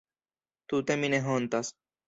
Tute mi ne hontas!